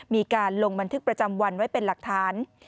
มีการลงบันทึกประจำวันไว้เป็นหลักฐาน